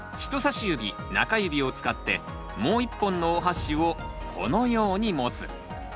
人さし指中指を使ってもう一本のおはしをこのように持つ。